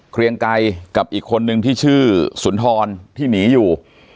เรียงไกรกับอีกคนนึงที่ชื่อสุนทรที่หนีอยู่